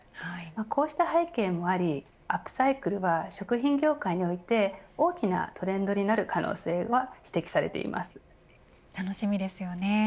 こうした背景もありアップサイクルは食品業界において大きなトレンドになる可能性が楽しみですよね。